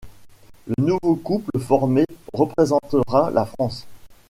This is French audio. Le nouveau couple formé représentera la France.